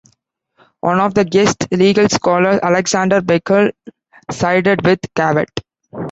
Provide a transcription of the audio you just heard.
One of the guests, legal scholar Alexander Bickel, sided with Cavett.